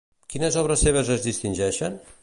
Quines obres seves es distingeixen?